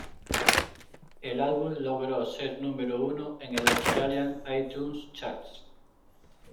El álbum logró ser número uno en el Australian iTunes charts.